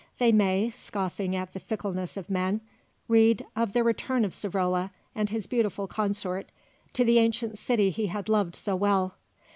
They may, scoffing at the fickleness of men, read of the return of Savrola and his beautiful consort, to the ancient city he had loved so well.